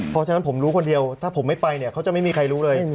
เพราะฉะนั้นผมรู้คนเดียวถ้าผมไม่ไปเนี่ยเขาจะไม่มีใครรู้เลย